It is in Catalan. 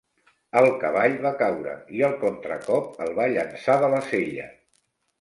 El cavall va caure, i el contracop el va llançar de la sella.